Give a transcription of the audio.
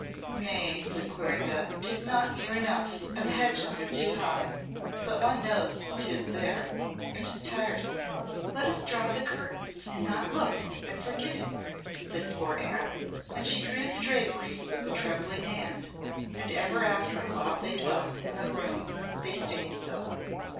"Nay," said Clorinda; "'tis not near enough, and the hedges are too high; but one knows 'tis there, and 'tis tiresome." "Let us draw the curtains and not look, and forget it," said poor Anne. And she drew the draperies with a trembling hand; and ever after while they dwelt in the room they stayed so.